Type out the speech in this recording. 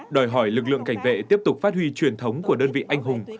đòi hỏi lực lượng cảnh vệ tiếp tục phát huy truyền thống của đơn vị anh hùng